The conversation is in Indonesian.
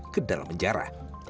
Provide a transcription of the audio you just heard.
ke dalam penjara